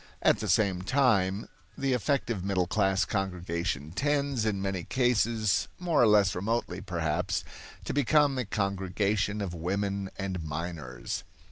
At the same time the effective middle class congregation tends, in many cases, more or less remotely perhaps, to become a congregation of women and minors.